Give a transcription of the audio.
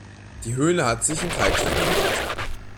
Die Höhle hat sich in Kalkstein gebildet.